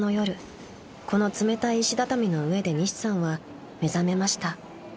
［この冷たい石畳の上で西さんは目覚めました］